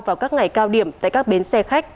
vào các ngày cao điểm tại các bến xe khách